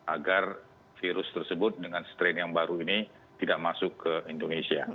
agar virus tersebut dengan strain yang baru ini tidak masuk ke indonesia